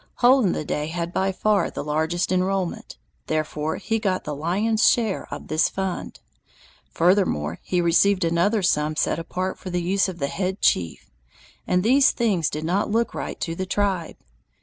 Hole in the Day had by far the largest enrollment, therefore he got the lion's share of this fund. Furthermore he received another sum set apart for the use of the "head chief", and these things did not look right to the tribe.